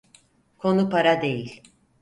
Konu para değil.